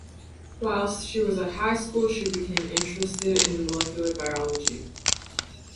Whilst she was at high school she became interested in molecular biology.